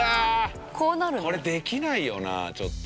これできないよなちょっと。